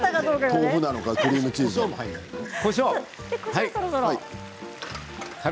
豆腐なのかクリームチーズなのか。